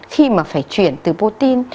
khi mà phải chuyển từ protein